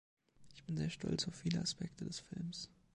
Ich bin sehr stolz auf viele Aspekte des Films.